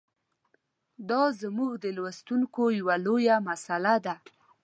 دا زموږ د لوستونکو یوه لویه مساله ده.